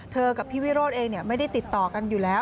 กับพี่วิโรธเองไม่ได้ติดต่อกันอยู่แล้ว